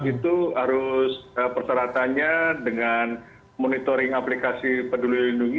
itu harus persyaratannya dengan monitoring aplikasi peduli lindungi